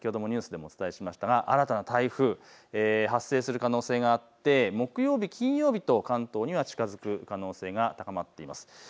先ほどニュースでもお伝えしましたが新たな台風、発生する可能性があって、木曜日、金曜日と関東には近づく可能性が高まっています。